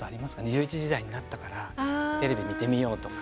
１１時台になったからテレビ見てみようとか。